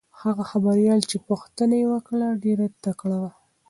هغه خبریاله چې پوښتنه یې وکړه ډېره تکړه وه.